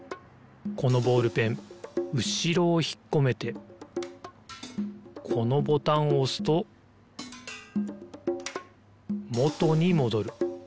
このボールペンうしろをひっこめてこのボタンをおすともとにもどる。